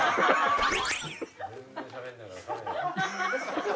全然しゃべんないからカメラが。